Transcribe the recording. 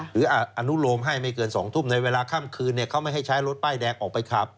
อนุโลมให้ไม่เกิน๒ทุ่มในเวลาค่ำคืนเขาไม่ให้ใช้รถป้ายแดงออกไปขับ